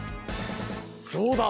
どうだ？